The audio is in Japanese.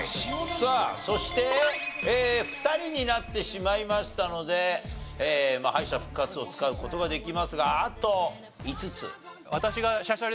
さあそして２人になってしまいましたので敗者復活を使う事ができますがあと５つ。